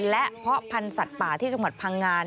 และเพาะพันธุ์สัตว์ป่าที่จังหวัดพังงา